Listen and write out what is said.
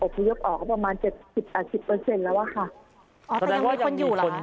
อบพยพออกประมาณ๑๐แล้วค่ะอ๋อแต่ยังมีคนอยู่หรือคะ